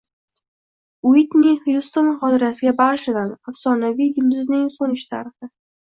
Uitni Xyuston xotirasiga bag‘ishlanadi. Afsonaviy yulduzning so‘nishi tarixi